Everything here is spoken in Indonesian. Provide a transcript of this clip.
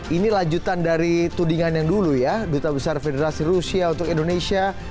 ini lanjutan dari tudingan yang dulu ya duta besar federasi rusia untuk indonesia